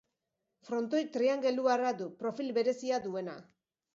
Frontoi triangeluarra du, profil berezia duena.